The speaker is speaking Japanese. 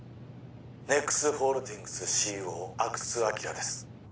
ＮＥＸホールディングスＣＥＯ阿久津晃です